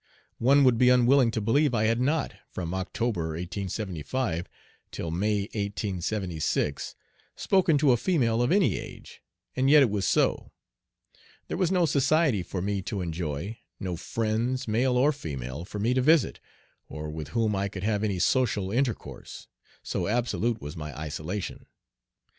One would be unwilling to believe I had not, from October, 1875, till May, 1876, spoken to a female of any age, and yet it was so. There was no society for me to enjoy no friends, male or female, for me to visit, or with whom I could have any social intercourse, so absolute was my isolation.